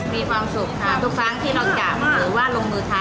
มีความสุขค่ะทุกครั้งที่เราจับหรือว่าลงมือทำ